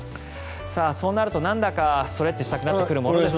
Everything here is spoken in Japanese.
そうなるとなんだかストレッチしたくなるものです。